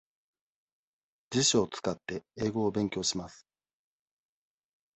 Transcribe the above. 辞書を使って、英語を勉強します。